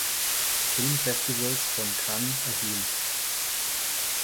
Filmfestivals von Cannes erhielt.